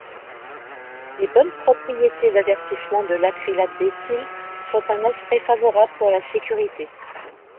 Les bonnes propriétés d'avertissement de l'acrylate d'éthyle sont un aspect favorable pour la sécurité.